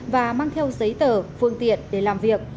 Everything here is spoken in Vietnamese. và mang theo giấy tờ phương tiện để làm việc